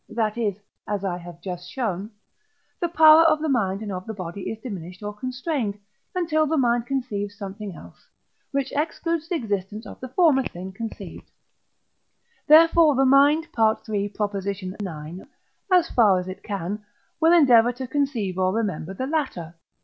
that is (as I have just shown), the power of the mind and of the body is diminished, or constrained, until the mind conceives something else, which excludes the existence of the former thing conceived: therefore the mind (III. ix.), as far as it can, will endeavour to conceive or remember the latter.